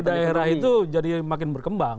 jadi otonomi daerah itu jadi makin berkembang